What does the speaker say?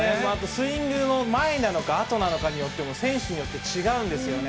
スイングの前なのか、後なのかによっても、選手によって違うんですよね。